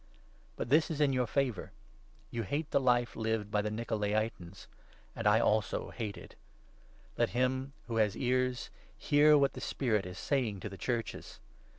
But this is in your favour — You hate the life lived by 6 the Nikolaitans, and I also hate it. Let him who has 7 ears hear what the Spirit is saying to the Churches.